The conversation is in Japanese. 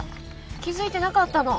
気づいてなかったの？